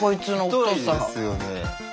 太いですよね。